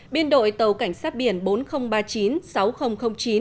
biên đội tàu cảnh sát biển bốn nghìn ba mươi chín sáu nghìn chín